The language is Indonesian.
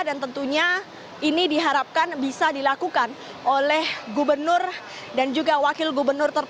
dan tentunya ini diharapkan bisa dilakukan oleh gubernur dan juga wakil gubernur tersebut